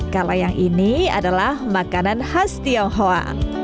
kalau yang ini adalah makanan khas tionghoa